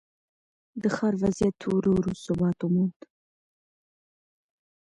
د ښار وضعیت ورو ورو ثبات وموند.